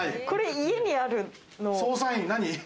これ家にあるの？